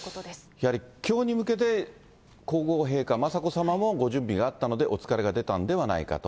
やはりきょうに向けて皇后陛下、雅子さまもご準備があったので、お疲れが出たんではないかと。